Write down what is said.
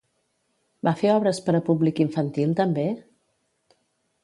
Va fer obres per a públic infantil també?